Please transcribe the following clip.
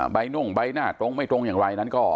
นุ่งใบหน้าตรงไม่ตรงอย่างไรนั้นก็